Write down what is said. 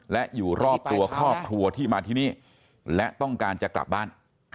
และอยู่รอบตัวครอบครัวที่มาที่นี่และต้องการจะกลับบ้าน